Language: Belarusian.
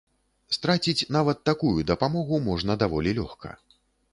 Страціць нават такую дапамогу можна даволі лёгка.